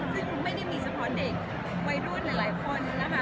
ซึ่งไม่ได้มีเฉพาะเด็กวัยรุ่นหลายคนนะคะ